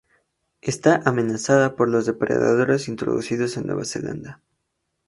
Está amenazada por los depredadores introducidos en Nueva Zelanda.